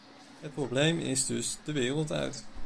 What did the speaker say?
Het probleem is dus de wereld uit.